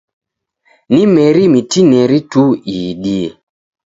Ni meri mitineri tu iidie.